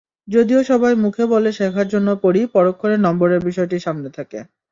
যদিও সবাই মুখে বলে শেখার জন্য পড়ি, পরক্ষণে নম্বরের বিষয়টি সামনে থাকে।